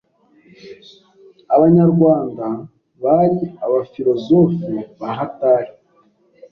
abanyarwanda bari abafirozofe bahatari